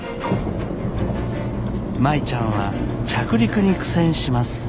舞ちゃんは着陸に苦戦します。